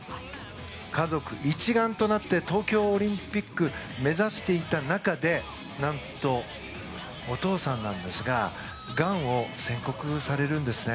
家族一丸となって東京オリンピックを目指していた中で何とお父さんががんを宣告されるんですね。